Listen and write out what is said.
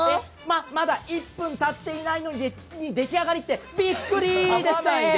まだ１分たっていないのに出来上がりって、びっくりー！